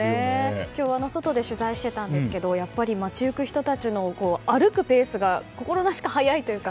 今日、外で取材していたんですがやっぱり、街行く人たちの歩くペースが心なしか早いというか。